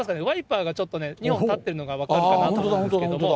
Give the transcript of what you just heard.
ワイパーがちょっと２本立ってるのが分かるかなと思うんですけど